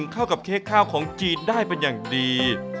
เข้ากับเค้กข้าวของจีนได้เป็นอย่างดี